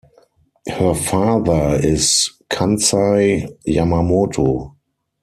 Her father is Kansai Yamamoto.